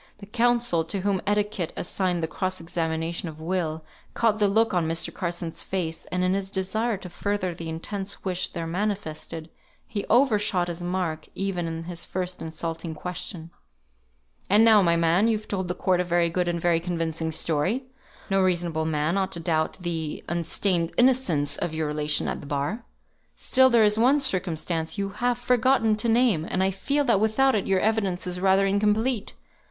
The counsel to whom etiquette assigned the cross examination of Will, caught the look on Mr. Carson's face, and in his desire to further the intense wish there manifested, he over shot his mark even in his first insulting question: "And now, my man, you've told the court a very good and very convincing story; no reasonable man ought to doubt the unstained innocence of your relation at the bar. Still there is one circumstance you have forgotten to name; and I feel that without it your evidence is rather incomplete.